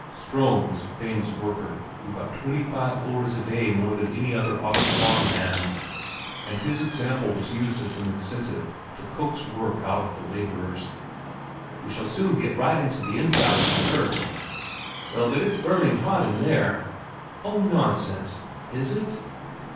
Ström was a famous worker who got twenty five öres a day more than other autumn farm hands, and his example was used as an incentive to coax work out of the laborers. "We shall soon get right into the inside of the earth." "Well, but it's burning hot in there." "Oh, nonsense: is it?"